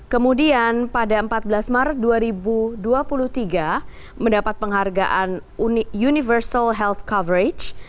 kemudian pada empat belas maret dua ribu dua puluh tiga mendapat penghargaan universal health coverage